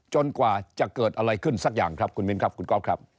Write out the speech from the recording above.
กว่าจะเกิดอะไรขึ้นสักอย่างครับคุณมิ้นครับคุณก๊อฟครับ